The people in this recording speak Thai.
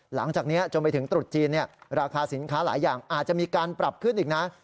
หลังจากนี้จนไปถึงตรุษจีนราคาสินค้าหลายอย่างอาจจะมีการปรับขึ้นอีกนะ